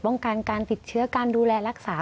ต้องการการติดเฉือการดูแลรักษา